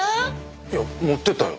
いや持って行ったよ。